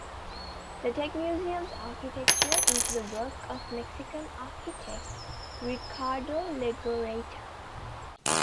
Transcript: The Tech Museum's architecture is the work of Mexican architect Ricardo Legorreta.